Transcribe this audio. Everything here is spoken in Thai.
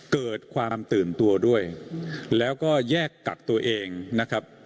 เกิดความตื่นตัวด้วยแล้วก็แยกกักตัวเองนะครับ